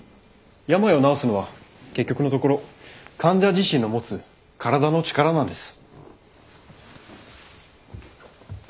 病を治すのは結局のところ患者自身の持つ体の力なんです。